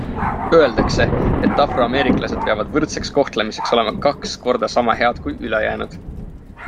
Öeldakse, et afroameeriklased peavad võrdseks kohtlemiseks olema kaks korda sama head kui ülejäänud.